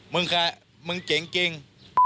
มึงเจ๋งจริง